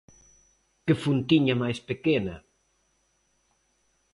Que fontiña máis pequena!